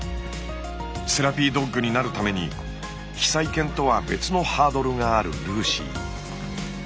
セラピードッグになるために被災犬とは別のハードルがあるルーシー。